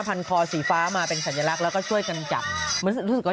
พันคอสีฟ้ามาเป็นสัญลักษณ์แล้วก็ช่วยกันจับมันรู้สึกว่า